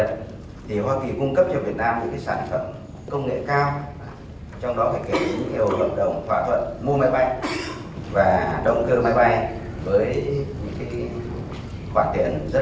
thì hoa kỳ cung cấp cho việt nam những sản phẩm công nghệ cao trong đó có nhiều hợp đồng thỏa thuận mua máy bay và động cơ máy bay với khoản tiện rất là lớn lên đến hàng tỷ usd